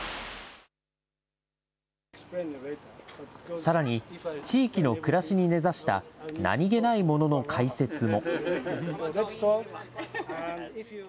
さらに、地域の暮らしに根ざした何気ないものの解説も。